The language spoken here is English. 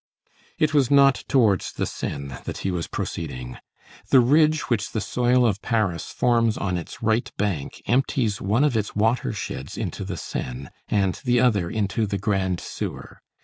It was not towards the Seine that he was proceeding. The ridge which the soil of Paris forms on its right bank empties one of its watersheds into the Seine and the other into the Grand Sewer.